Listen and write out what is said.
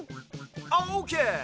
オーケー！